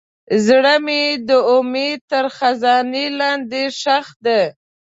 زړه مې د امید تر خزان لاندې ښخ دی.